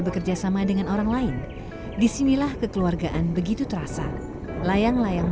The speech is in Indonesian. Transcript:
bekerja sama dengan orang lain disinilah kekeluargaan begitu terasa layang layang